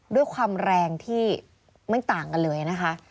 ด้วยความแรงที่ไม่ต่างกันเลยนะคะ